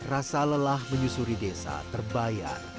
rasa lelah menyusuri desa terbayar